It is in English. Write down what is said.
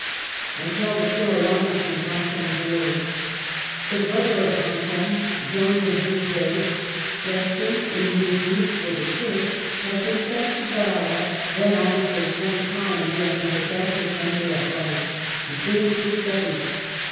I tell the story almost in Brantome's words. The brother of Brantome, Jean de Bourdeille, destined in his youth for the Church, had been sent to Ferrara, then almost a French colony under the Duchess Renee of France, to finish his studies.